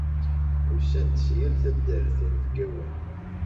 Usan-d si yal taddart yinebgawen.